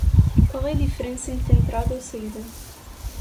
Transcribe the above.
Qual é a diferença entre entrada ou saída?